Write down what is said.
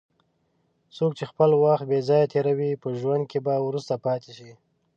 څوک چې خپل وخت بې ځایه تېروي، په ژوند کې به وروسته پاتې شي.